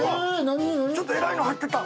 ちょっとえらいの入ってた！